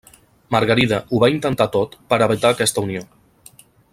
Margarida ho va intentar tot per evitar aquesta unió.